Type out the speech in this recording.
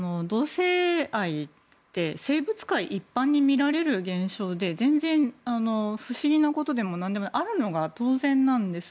同性愛って生物界一般に見られる現象で全然不思議なことでも何でもないあるのが当然なんです。